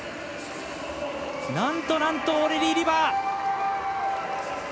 なんとなんとオーレリー・リバー。